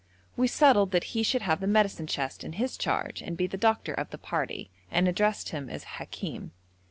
We settled that he should have the medicine chest in his charge and be the doctor of the party, and addressed him as Hakim.